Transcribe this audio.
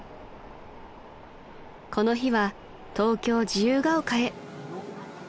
［この日は東京自由が丘へ］